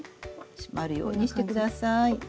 締まるようにしてください。